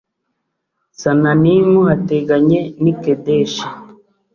sananimu hateganye n i kedeshi